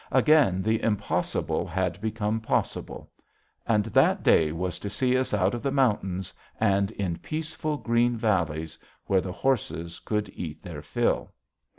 Again the impossible had become possible. And that day was to see us out of the mountains and in peaceful green valleys, where the horses could eat their fill.